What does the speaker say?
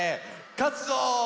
かつぞ！